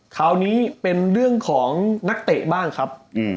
คราวนี้เป็นเรื่องของนักเตะบ้างครับ